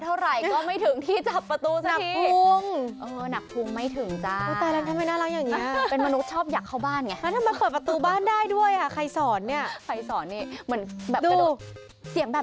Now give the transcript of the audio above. ว่าไม่ไหวแล้วฉันปวดพุงเหลือเกิน